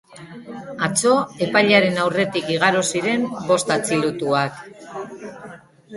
Atzo epailearen aurretik igaro ziren bost atxilotuak.